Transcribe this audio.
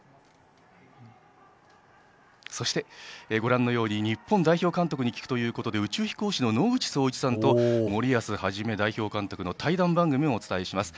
そして、ご覧のように日本代表監督に聞くということで宇宙飛行士の野口聡一さんと森保一代表監督の対談番組もお伝えします。